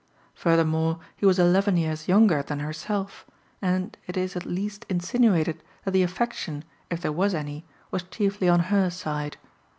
Furthermore, he was eleven years younger than herself, and it is at least insinuated that the affection, if there was any, was chiefly on her side.